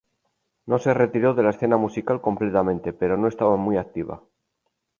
No se retiró de la escena musical completamente, pero no estaba muy activa.